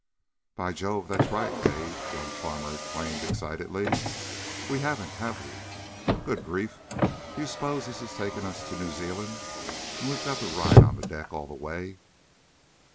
"By Jove, that's right, Dave!" young Farmer exclaimed excitedly. "We haven't, have we? Good grief! Do you suppose this is taking us to New Zealand, and we've got to ride on deck all the way?"